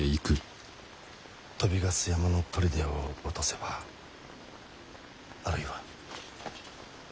鳶ヶ巣山の砦を落とせばあるいは。